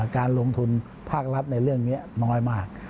การลงทุนภาครัฐในเรื่องนี้น้อยมาก